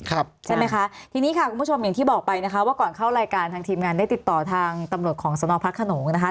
ใช่ไหมคะทีนี้ค่ะคุณผู้ชมอย่างที่บอกไปนะคะว่าก่อนเข้ารายการทางทีมงานได้ติดต่อทางตำรวจของสนพระขนงนะคะ